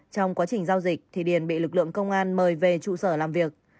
trong quá trình giao dịch thì điền bị lực lượng công an mời về trụ sở làm việc